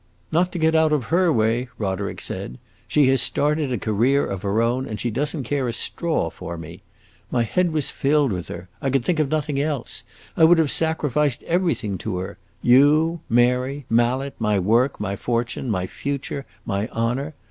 "Not to get out of her way!" Roderick said. "She has started on a career of her own, and she does n't care a straw for me. My head was filled with her; I could think of nothing else; I would have sacrificed everything to her you, Mary, Mallet, my work, my fortune, my future, my honor!